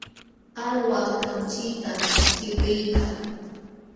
Alwa kamchitam qipiykaa.